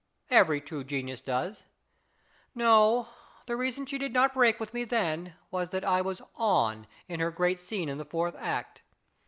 Every true genius does. No, the reason she did not break with me then was that I was c on ' in her great scene in the fourth act.